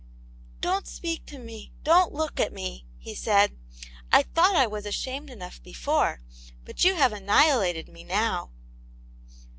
" Don't speak to me ; don't look at me !" he said. " I thought I was ashamed enough before, but you have annihilated me now."